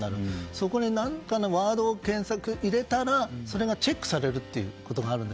そこで何かのワードを入れたらそれがチェックされることがある。